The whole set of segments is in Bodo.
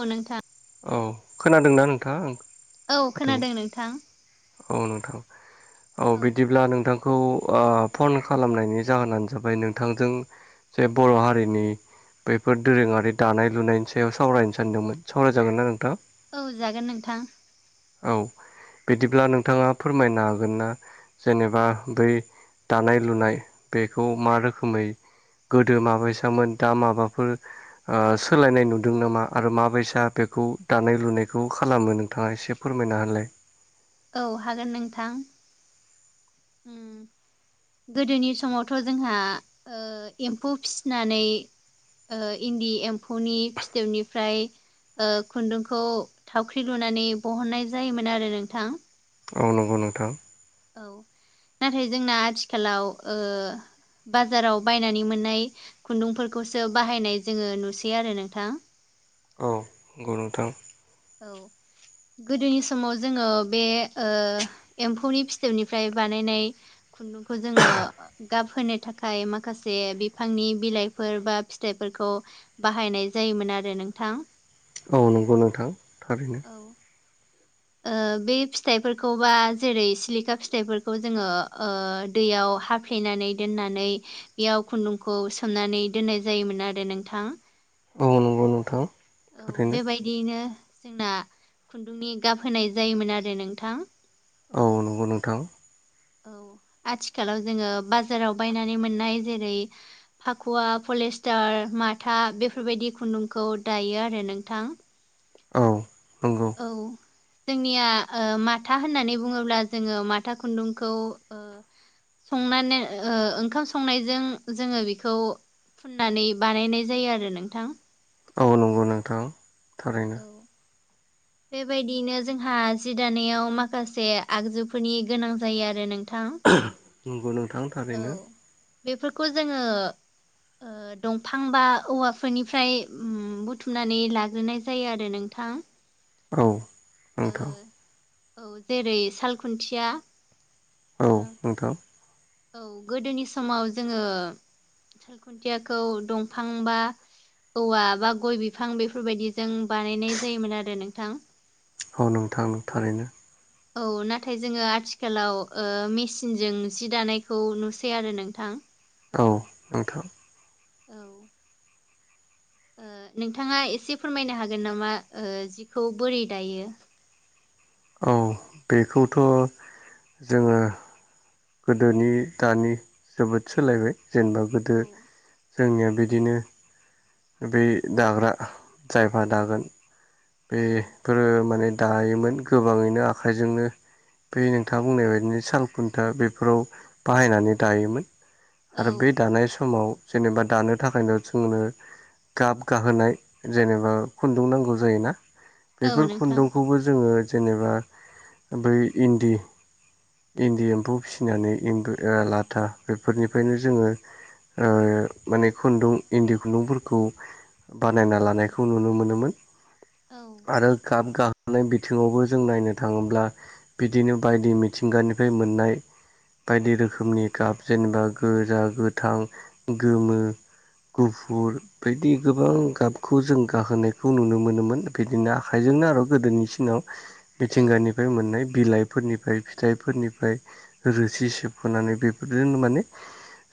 औ नोंथां। औ खोनादों ना नोंथाङा? औ माथोखौ खोनादों नोंथां। औ नोंथां औ बिदिब्ला नोंथां खौ फन खालामनायनि जाहोनानो जाबाय नोंथांजों जे बर' हारिनि बैफोर दोरोङारि दानाय लुनायनि सायाव सावरायनो सानदोंमोन सावरायजागोना नोंथां? औ जागोन नोंथां। औ बिदिब्ला औ नोंथाङा फोरमायनो हागोना? जेनेबा बै दानाय लुनाय बेखौ मा रोखोमै गोदो माबायसामोन दा माबाफोर सोलायनाय नुदों नामा आरो माबायसा बेखौ दानाय लुनायखौ खालामो नोंथाङा एसे फोरमायना होलाय। औ हागोन नोंथां। होम। गोदोनि समावथ' जोंहा एम्फौ फिसिनानै इन्दि एम्फौनि फिथोबनिफ्राय खुन्दुंखौ थावख्रि लुनानै बहननाय जायोमोन आरो नोंथां। औ नंगौ नोंथां। औ नाथाय जोंना आथिखालाव ओ बाजाराव बायनानै मोननाय खुन्दुंफोरखौसो बाहायनाय जोङो नुसै आरो नोंथां। औ नंगौ नोंथां औ गोदोनि समाव जोङो बे ओ एम्फौनि फिथोबनिफ्राय बानायनाय खुन्दुंखौ जोङो गाब होनो थाखाय माखासे बिफांनि बिलाइफोर बा फिथाइफोरखौ बाहायनाय जायोमोन आरो नोंथां गोनांथार थारैनो औ बे फिथाइफोरखौ बा जेरै सिलिखा फिथाइफोरखौ जोङो दैयाव हा खख्लेनानै दोननानै बेयाव खुन्दुंखौ सोमनानै दोननाय जायोमोन आरो नोंथां औ नंगौ नोंथां। औ थारैनो बेबायदियैनो जोंना खुन्दुंनि गाब होनाय जायोमोन आरो नोंथां गुनथां औ आथिखालाव जोङो बाजाराव बायनानै मोननाय जेरै फाखुवा पलिेस्टार माथा बेफोरबायदि खुन्दुंखौ दायो आरो नोंथां औ नंगौ औ जोंनिया माथा होननानै बुङोब्ला जोङो माथा खुन्दुंखौ संनानै ओंखाम संनायजों जोङो बेखौ फुननानै बानायनाय जायो आरो नोंथां औ नंगौ नोंथां। थारैनो औ बेबायदियैनो जोंहा जि दानायाव माखासे आगजुफोरनि गोनां जायो आरो नोंथां [inaudible] औ बेफोरखौ जोङो दंफां बा औवाफोरनिफ्राय बुथुमनानै लाग्रोनाय जायो आरो नोंथां औ। नोंथां औ जेरै सालखुन्थिया ओ औ नोंथां औ गोदोनि समाव जोङो साल खुन्थियाखौ दंफां बा औवा बा गय बिफां बेफोरबायदिजों बानायनाय जायोमोन आरो नोंथां औ नोंथां थारैनो औ नाथाय जोङो आथिखालाव मेसिनजों जि दानाय बे खौ नुसै आरो नोंथां औ नोंथां औ नोंथाङा एसे फोरमायनो हागोन नामा जिखौ बोरै दायो औ बेखौथ' जोङो गोदोनि दानि जोबोद सोलायबाय जेनेबा औ गोदो जोंनिया बिदिनो बै दाग्रा जायफा दागोन बे औ गो माने दायोमोन गोबाङैनो आखाइजोंनो बे नोंथाङा बुंनाय बायदिनो सालखुन्थि दा बेफोराव बाहायनानै दायोमोन आरो बे औ दानाय समाव जेनेबा दानो थाखायनो जोंनो गाब गाहोनाय जेनेबा खुन्दुं नांगौ जायोना औ बेफोर नोंथां खुन्दुंखौबो जोङो जेनेबा ओै इन्दि इन्दि एम्फौ फिसिनानै एम लाथा बेफोरनिफ्रायनो जोङो माने खुन्दुं इन्दि खुन्दुंफोरखौ बानायना लानायखौ नुनो मोनोमोन औ आरो गाब गाखोनाय बिथिङावबो जों नायनो थाङोब्ला बिदिनो बायदि मिथिंगानिफ्राय मोननाय बायदि रोखोमनि कप जेनेबा गोजा गोथां गोमो गुफुर बिदि गोबां गाबखौ जों गाहोनायखौ नुनो मोनोमोन बिदिनो आखाइजोंनो आरो गोदोनिसिनाव [inaudible] मिथिंगानिफ्राय मोननाय बिलाइफोरनिफ्राय फिथाइफोरनिफ्राय रोसि सेबखानै बेफोरजोंनो माने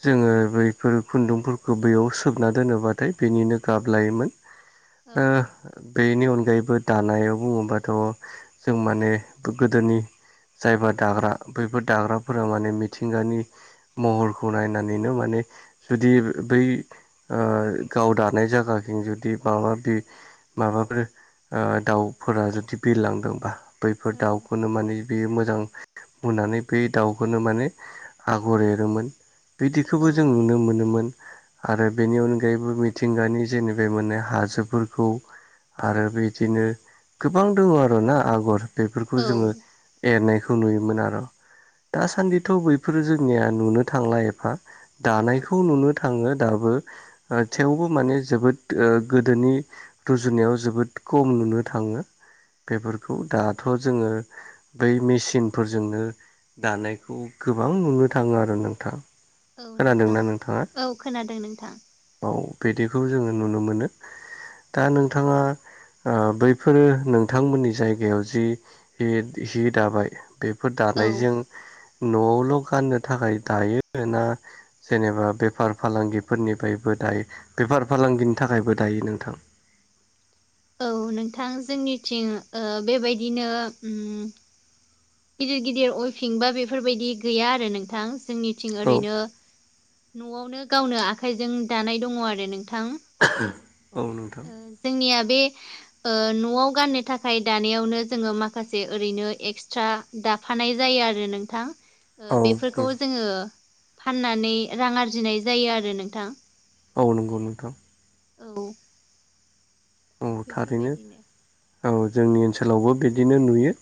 जोङो बैफोर खुन्दुंफोरखौ बैयाव सोबना दोनोबाथाय बेनिनो गाबलायोमोन [inaudible] ओ बेनि अनगायैबो दानायाव बुङोबाथ' जों माने गोदोनि जायबा दाग्रा बैफोर दाग्राफोरा माने मिथिंगानि महरखौ नायनानैनो माने जुदि बै गाव दानाय जायगााखं जुदि माबाि माबाफोर दाउफोरा जुदि बिरलांदोंबा बैफोर दाउखौनो माने बेयो मोजां बुनानै बै दाउखौनो माने आगर एरोमोन बिदिखौबो जों औ नुनो मोनोमोन आरो बेनि अनगायैबो मिथिंगानि जेनेबे मोनाय हाजोफोरखौ आरो बिदिनो गोबां दङ आरोना आगर औ बेफोरखौ जोङो एरनायखौ नुयोमोन आरो दासान्दिथ' बैफोरो जोंनिया नुनो थांला एफा दानायखौ नुनो थाङो दाबो थेवबो माने जोबोद ओ गोदोनि रुजुनायाव जोबोद खम नुनो थाङो बेफोरखौ दाथ' जोङो बै मेसििनफोरजोंनो दानायखौ गोबां नुनो थाङो आरो नोंथाङा औ नोंथां खोनादोंना औ खोनादों नोंथां औ बिदिखौ जोङो नुनो मोनो दा नोंथाङा बैफोरो नोंथांमोननि जायगायाव जि हि हि दाबाय बेफोर औ दानायजों न'आवल' गाननो थाखाय दायो ना जेनेबा बेफार फालांगिफोरनिफ्रायबो दायो बेफार फालांगिनि थाखायबो दायो नोंथां औ नोंथां जोंनिथिं ओ बेबायदिनो उम गिदिर गिदिर अइफिं बा बेफोरबायदि गैया आरो नोंथां जोंनि थिं औ ओरैनो न'आवनो गावनो आखाइजों दानाय दङ आरो नोंथां [unintelligible] नोंथां ओ जोंनिया बे ओ न'आव गाननो थाखाय दानायावनो जोङो माखासे ओरैनो एक्सट्रा दाफानाय जायो आरो नोंथां ओ औ बेफोरखौ जोङो फाननानै रां आरजिनाय जायो आरो नोंथां औ नंगौ नोंथां औ औ थारैनो बेफोरबायदिनो औ जोंनि ओनसोलावबो बिदिनो नुयो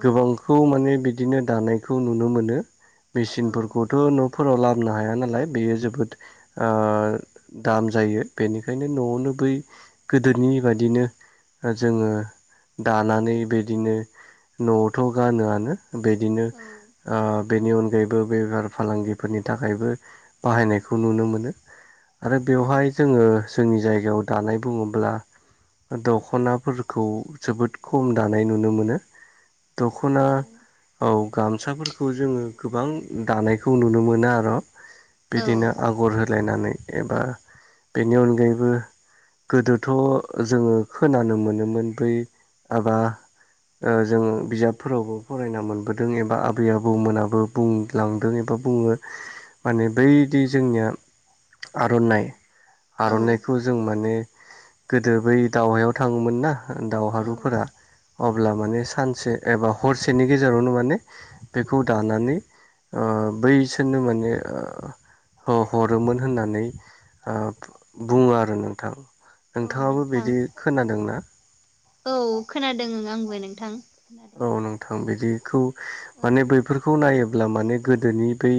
औ गोबांखौ माने बिदिनो दानायखौ नुनो मोनो औ मेसििनफोरखौथ' न'फोराव लाबोनो हाया नालाय बेयो जोबोद ओ दाम जायो बेनिखायनो न'आवनो बै गोदोनि बाददिनो जोङो दानानै बेदिनो न'आवथ' गानोआनो बिदिनो औ आ बेनि अनगायैबो बेफार फालांगिफोरनि थाखायबो बाहायनायखौ नुनो मोनो आरो औ बेवहाय जोङो जोंनि जायगायाव दानाय बुङोब्ला दख'नाफोरखौ जोबोद खम दानाय नुनो मोनो दख'ना औ गामसाफोरखौ जोङो गोबां दानायखौ नुनो मोनो आरो' औ बिदिनो आगर होलायनानै एबा बेनि अनगायैबो गोदोथ' जोङो खोनानो मोनोमोन बै माबा ओ जोङो बिजाबफोरावबो फरायना मोनबोदों एबा आबै आबौमोनाबो बुंलांदों एबा बुङो माने बैदि जोंनिया आर'नाइ औ आर'नाइखौ जों माने गोदो बै दावहायाव थाङोमोन ना दावहारुफोरा औ अब्ला माने सानसे एबा हरसेनि गेजेरावनो माने बेखौ दा नानै ओ बैसोरनो माने ह हरोमोन होननानै ओ बुङो आरो नोंथां। औ नोंथाङाबो नोंथां बिदि खोनादोंना औ खोनादों आंबो नोंथां औ नोंथां बिदिखौ औ माने बैफोरखौ नायोब्ला माने गोदोनि बै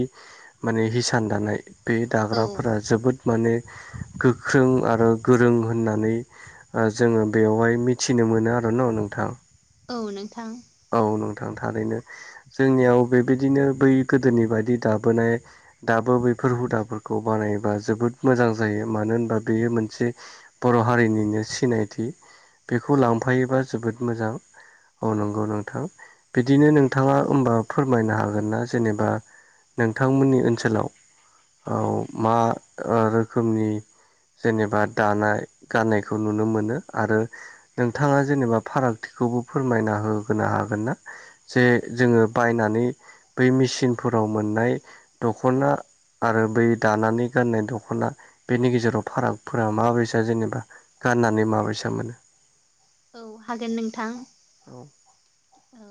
माने हिसान दानाय बे दाग्राफोरा औ जोबोद माने गोख्रों आरो गोरों होननानै जोङो बेवहाय मिथिनो मोनो आरोना नोंथां। औ नोंथां। औ नोंथां थारैनो औ जोंनियाव बेबायदिनो बै गोदोनि बायदि दाबोनाय दाबो बैफोर हुदाफोरखौ बानायोबा जोबोद मोजां जायो मानो होनबा बेयो मोनसे बर' हारिनिनो सिनायथि बेखौ औ लांफायोबा जोबोद मोजां औ नं गौ नोंथां बिदिनो नोंथाङा होमबा फोरमायनो हागोन ना जेनेबा नोंथांमोननि ओनसोलाव औ मा रोखोमनि जेनेबा दानाय गाननायखौ नुनो मोनो आरो नोंथाङा जेनेबा फारागथिखौबो फोरमायना होगोनो हागोन ना? जे जोङो बायनानै बै मेसिनफोराव मोननाय दख'ना आरो बै दानानै गाननाय दख'ना बेनि गेजेराव फारागफोरा माबै जेनेबा गाननानै माबायसा मोनो? औ हागोन नोंथां। औ औ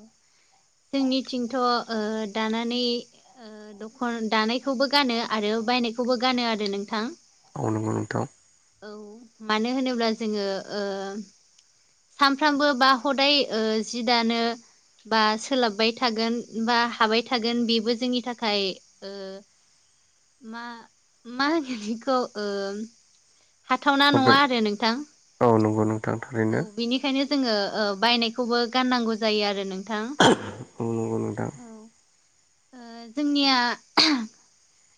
जोंनिथिंथ' ओ दानानै ओ दखन दानायखौबो गानो आरो बायनायखौबो गानो आरो नोंथां। औ नोंगौ नोंथां। औ मानो होनोब्ला जोङो ओ सानफ्रामबो बा हदाय ओ जि दानो बा सोलाबबाय थागोन बा हाबाय थागोन बेबो जोंनि थाखाय ओ मा मा होनगोन बेखौ ओ हाथावना नङा आरो नोंथां। आ नंगौ नों औ बिनिखायनो जोङो बायनायखौबो गाननांगौ जायो आरो नों थां औ नंगौ नोंथां औ ओ जोंनिया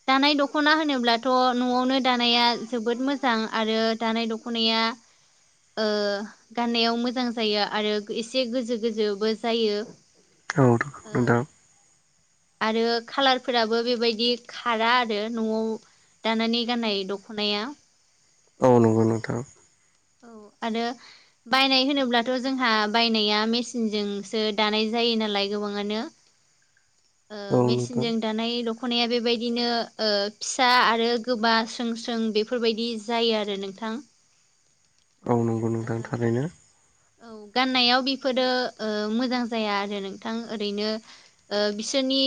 दानाय दख'ना होनोब्लाथ' न'आवनो दानाया जोबोद मोजां आरो दानाय द ख'नाया ओ गाननायाव मोजां जायो आरो एसे गोजो गोजोबो जायो। औ ओ नोंथां। आरो खालारफोराबो बेबायदि खाराआरो न'आव दानानै गाननाय दख'नाया औ नंगौ नोंथां। औ आरो बायनाय होनोब्लाथ' जोंहा बायनाया मेसिनजोंसो दानाय जायो नालाय गोबाङानो ओ औ नोंथां मेसिनजों दानाय द ख'नाया बेबायदिनो ओ फिसा आरो गोबा सों सों बेफोरबायदि जायो आरो नोंथां। औ नंगौ नोंथां ओ थारैनो। औ गाननायाव बेफोरो ओ मोजां जाया आरो नोंथां ओरैनो ओ बिसोरनि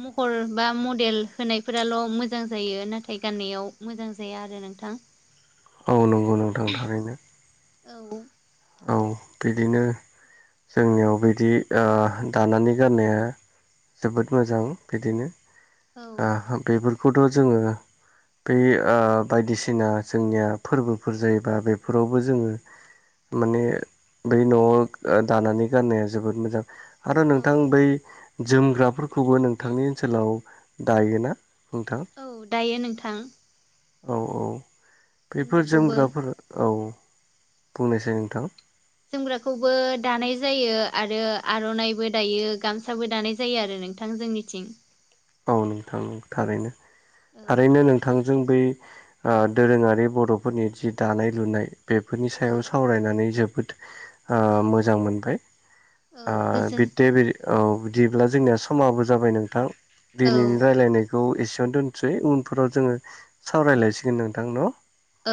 महर बा मडेल होनायफोराल' मोजां जायो नाथाय गाननायाव मोजां जाया आरो नोंथां। औ नंगौ नोंथां थारैनो। औ औ बिदिनो जोंनियाव बिदि दानानै गाननाया जोबोद मोजां बिदिनो औ बेफोरखौथ' जोङो ब बायदिसिना जोंनिया फोरबोफोर जायोबा बेफोरावबो जोङो माने बै न'आव दानानै गाननाया जोबोद मोजां। आरो औ नोंथां बै जोमग्राफोरखौबो नोंथांनि ओनसोलाव दायोना नोंथां? औ दायो नोंथां औ औ बेफोर जोमग्राखौबो जोमग्राफोर औ बुंनो सानो ज नोंथां जोमग्राखौबो दानाय जायो आरो आर'नाइबो दायो गामसाबो दानाय जायो आरो नों नथां जोंनिथिं बावनो थां थारैनो औ थारैनो नोंथांजों बै दोरोङारि बर'फोरनि जि दानाय लुनाय बेफोरनि सायाव औ सावरायनानै जोबोद मोजां मोनबाय औ गोजोन बिदडे बि औ बिदिब्ला जोंनिया समाबो जाबाय नोंथां औ दिनैनि राय्लायनायखौ एसेयावनो दोनसै उनफोराव जोङो सावरायलायसिगोन नोंथांनाव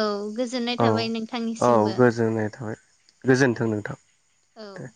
औ गोजोननाय थाबाय नोंथांनिसिमबो गोजोननाय थाबाय औ गोजोन्थों नोंथां औ दे